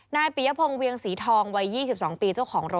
นายปิยพลงเวียงศรีทองวัย๒๒ปีเจ้าของรถ